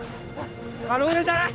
あの上じゃない？